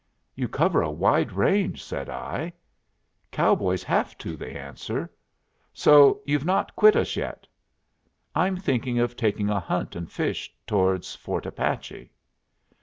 "You cover a wide range," said I. "Cowboys have to," they answered. "So you've not quit us yet?" "I'm thinking of taking a hunt and fish towards Fort Apache."